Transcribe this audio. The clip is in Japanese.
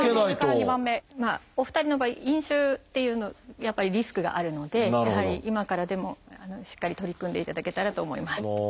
お二人の場合「飲酒」っていうのやっぱりリスクがあるのでやはり今からでもしっかり取り組んでいただけたらと思います。